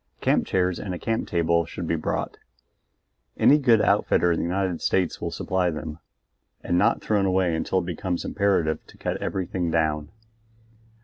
Camp chairs and a camp table should be brought any good outfitter in the United States will supply them and not thrown away until it becomes imperative to cut everything down.